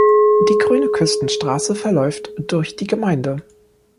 Die Grüne Küstenstraße verläuft durch die Gemeinde.